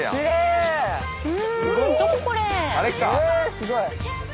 すごい！